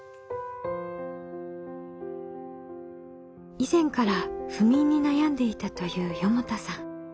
以前から不眠に悩んでいたという四方田さん。